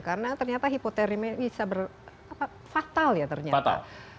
karena ternyata hipotermia ini bisa ber fatal ya ternyata